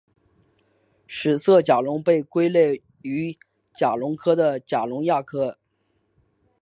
史色甲龙被归类于甲龙科的甲龙亚科。